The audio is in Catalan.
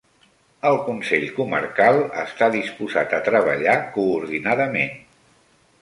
El Consell Comarcal està disposat a treballar coordinadament.